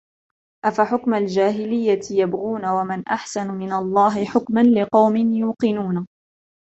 أفحكم الجاهلية يبغون ومن أحسن من الله حكما لقوم يوقنون